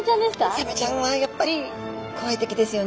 サメちゃんはやっぱり怖い敵ですよね